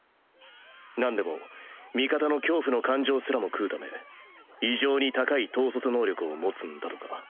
何でも味方の恐怖の感情すらも食うため異常に高い統率能力を持つんだとか。